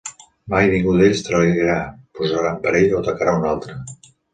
Mai ningú d'ells trairà, posarà en perill o atacarà un altre.